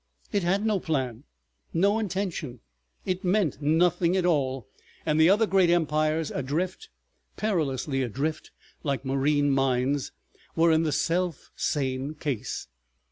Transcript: It had no plan, no intention; it meant nothing at all. And the other great empires adrift, perilously adrift like marine mines, were in the self same case.